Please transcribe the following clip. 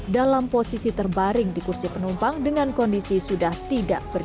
dalam posisi terbaring di kursi penumpang dengan kondisi sudah tidak berjalan